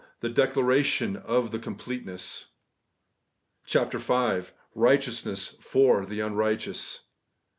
THE DECLARATION OF THE COMPLETENESS, .... 46 CHAPTER V. RIGHTEOUSNESS FOR THE UNRIGHTEOUS